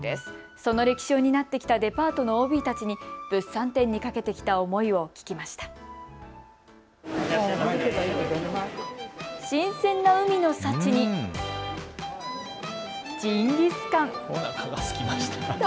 その歴史を担ってきたデパートのＯＢたちに物産展にかけてきた思いを聞きました。